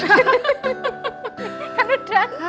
kan udah angkat